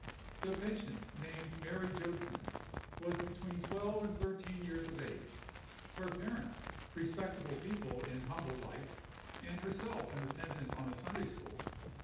The patient, named Mary Jobson, was between twelve and thirteen years of age; her parents, respectable people in humble life, and herself an attendant on a Sunday school.